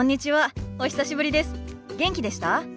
元気でした？